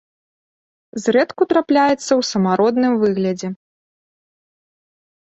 Зрэдку трапляецца ў самародным выглядзе.